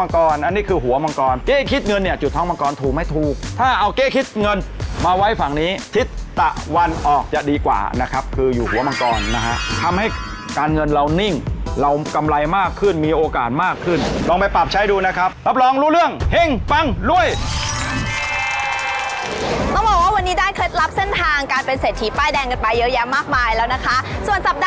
มังกรอันนี้คือหัวมังกรเก้คิดเงินเนี่ยจุดท้องมังกรถูกไหมถูกถ้าเอาเก้คิดเงินมาไว้ฝั่งนี้ทิศตะวันออกจะดีกว่านะครับคืออยู่หัวมังกรนะฮะทำให้การเงินเรานิ่งเรากำไรมากขึ้นมีโอกาสมากขึ้นลองไปปรับใช้ดูนะครับรับรองรู้เรื่องเฮ่งปังรวยต้องบอกว่าวันนี้ได้เคล็ดลับเส้นทางการเป็นเศรษฐีป้ายแดงกันไปเยอะแยะมากมายแล้วนะคะส่วนสัปดา